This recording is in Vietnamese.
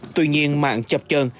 tuy nhiên mạng chập trơn